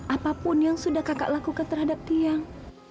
apapun yang sudah kakak lakukan terhadap tiang